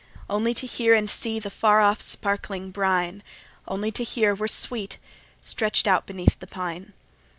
Only to hear and see the far off sparkling brine, Only to hear were sweet, stretch'd out beneath the pine.